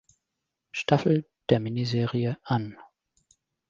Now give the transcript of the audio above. Staffel der Miniserie an.